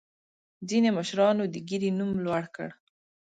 ځینې مشرانو د ګیرې نوم لوړ کړ.